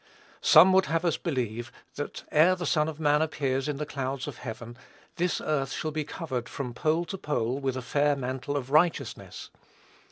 Some would have us to believe that ere the Son of man appears in the clouds of heaven, this earth shall be covered, from pole to pole, with a fair mantle of righteousness.